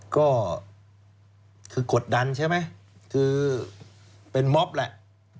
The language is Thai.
ก็คือกดดันใช่ไหมคือเป็นม็อบแหละ